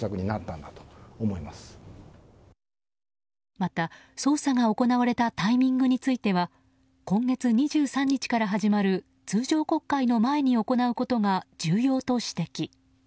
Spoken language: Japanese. また捜査が行われたタイミングについては今月２３日から始まる通常国会の前に行うことが重要と指摘。